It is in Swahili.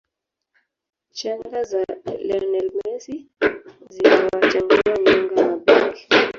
chenga za lionel mesi ziliwatengua nyonga mabeki